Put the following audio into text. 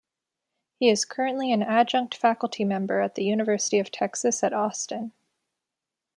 He is currently an adjunct faculty member at The University of Texas at Austin.